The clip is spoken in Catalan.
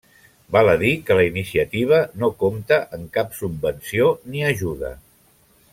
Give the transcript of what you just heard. Val a dir que la iniciativa no compta amb cap subvenció ni ajuda.